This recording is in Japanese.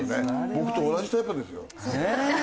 僕と同じタイプですよ。